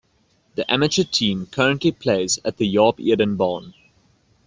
The amateur team currently plays at the Jaap Eden baan.